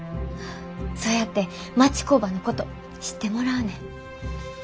そうやって町工場のこと知ってもらうねん。